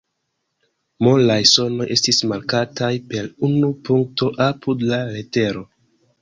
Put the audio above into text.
Molaj sonoj estis markataj per unu punkto apud la letero.